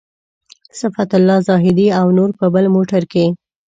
صفت الله زاهدي او نور په بل موټر کې.